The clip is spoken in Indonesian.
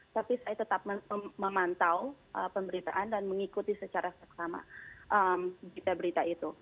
tapi saya tetap memantau pemberitaan dan mengikuti secara seksama berita berita itu